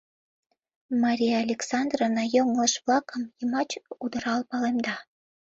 Мария Александровна йоҥылыш-влакым йымач удырал палемда.